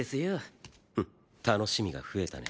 フッ楽しみが増えたね。